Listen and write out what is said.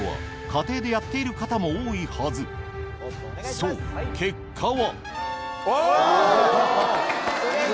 そう結果はおぉ！